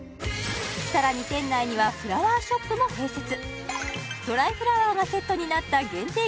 さらに店内にはフラワーショップも併設ドライフラワーがセットになった限定